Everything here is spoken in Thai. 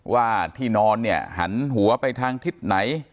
ว่าที่นอนเนี่ยหันหัวไปทางทิศไหน